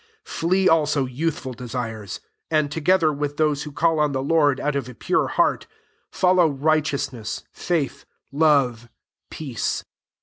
22 r lee also youthful desires: and, together with those who call on the Lord out of a pore heart, follow righteousness, faith, love, peace.